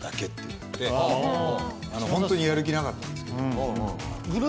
ホントにやる気なかったんですけど。